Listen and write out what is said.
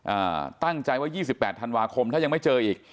อ่าตั้งใจว่า๒๘ธันวาคมถ้ายังไม่เจออีก